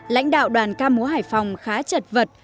lãnh đạo đoàn ca múa hải phòng khá chật vật